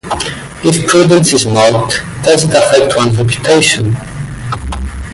If prudence is mocked, does it affect one's reputation?